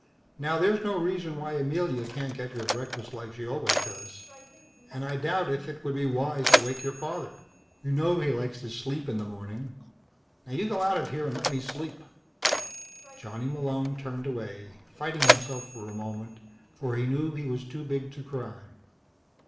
"Now, there's no reason why Amelia can't get your breakfast like she always does. And I doubt if it would be wise to wake your father. You know he likes to sleep in the morning. Now, you go on out of here and let me sleep." Johnny Malone turned away, fighting himself for a moment, for he knew he was too big to cry.